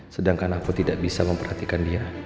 sedangkan aku tidak bisa memperhatikan dia